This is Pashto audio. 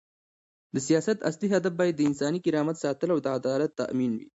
د سیاست اصلي هدف باید د انساني کرامت ساتل او د عدالت تامین وي.